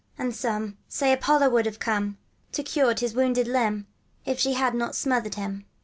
And some Say, Apollo would have come To have cured his wounded limb, But that she had smothered him.